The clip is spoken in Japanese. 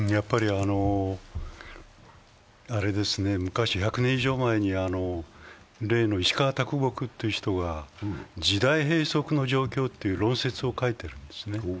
昔１００年以上前に例の石川啄木という人が時代閉塞の状況という論説を書いているんですね。